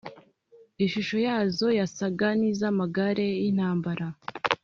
Ishusho yazo yasaga n’iz’amagare y’intambara